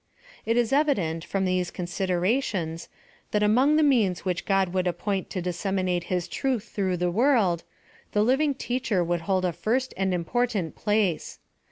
It is evident, from these considerations, that among the means which God would appoint to dis seminate his truth through the world, the living teacher would hold a first and important place.